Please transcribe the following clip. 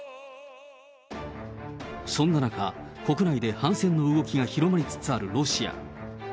そんな中、国内で反戦の動きが広まりつつあるロシア。